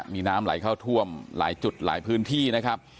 มีน้ำไหลเข้าท่วมหลายจุดหลายพื้นที่นะครับ